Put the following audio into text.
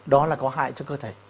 đó là có hại cho cơ thể